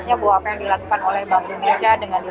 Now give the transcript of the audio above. bagaimana pengelolaan kelembagaan bank indonesia